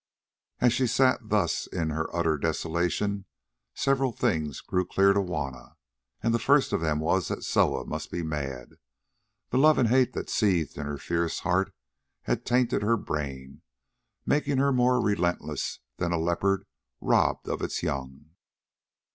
As she sat thus in her desolation several things grew clear to Juanna, and the first of them was that Soa must be mad. The love and hate that seethed in her fierce heart had tainted her brain, making her more relentless than a leopard robbed of its young.